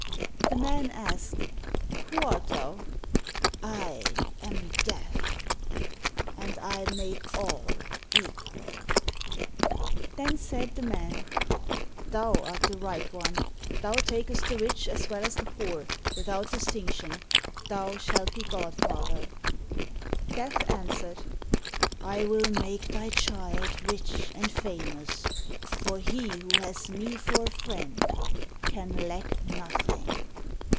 The man asked, "Who art thou?" "I am Death, and I make all equal." Then said the man, "Thou art the right one, thou takest the rich as well as the poor, without distinction; thou shalt be godfather." Death answered, "I will make thy child rich and famous, for he who has me for a friend can lack nothing."